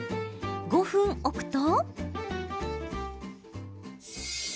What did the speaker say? ５分置くと。